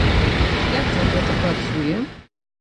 Як жа гэта працуе?